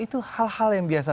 itu hal hal yang biasa